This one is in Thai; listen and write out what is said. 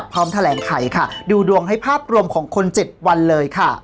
พร้อมแถลงไขค่ะดูดวงให้ภาพรวมของคน๗วันเลยค่ะ